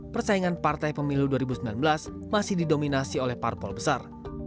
persaingan partai pemilu dua ribu sembilan belas masih didominasi oleh parpol besar